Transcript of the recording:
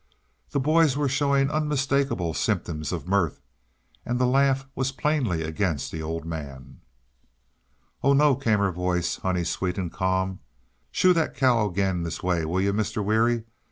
The boys were showing unmistakable symptoms of mirth, and the laugh was plainly against the Old Man. "Oh, no," came her voice, honey sweet and calm. "Shoo that cow this way again, will you, Mr..Weary?